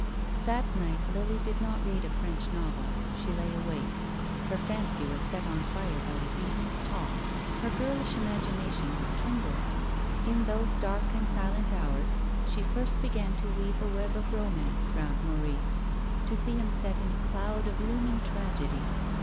That night Lily did not read a French novel. She lay awake. Her fancy was set on fire by the evening's talk. Her girlish imagination was kindled. In those dark and silent hours she first began to weave a web of romance round Maurice, to see him set in a cloud of looming tragedy.